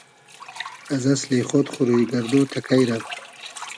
از اسلی خۉد خو روی گئردۉ تئکݷ رۂ؟